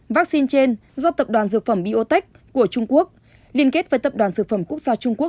vaccine trên do tập đoàn dược phẩm biotech của trung quốc liên kết với tập đoàn dược phẩm quốc gia trung quốc